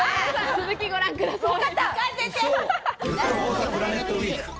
続きご覧ください。